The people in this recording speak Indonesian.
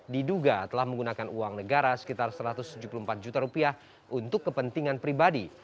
diduga telah menggunakan uang negara sekitar rp satu ratus tujuh puluh empat juta rupiah untuk kepentingan pribadi